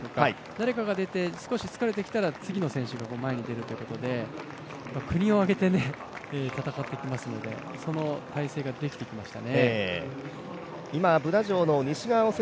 誰かが出て、少し疲れてきたら次の選手が前に出るということで国を挙げて戦ってきますのでその態勢ができてきました。